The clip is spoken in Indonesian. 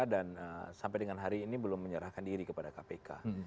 sampai dengan hari ini belum menyerahkan diri kepada kpk